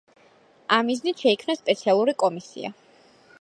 ამ მიზნით შეიქმნა სპეციალური კომისია.